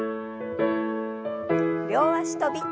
両脚跳び。